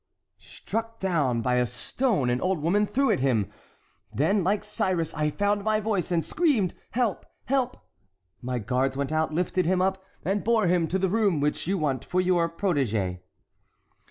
"Struck down by a stone an old woman threw at him. Then, like Cyrus, I found my voice, and screamed, 'Help! help!' my guards went out, lifted him up, and bore him to the room which you want for your protégé."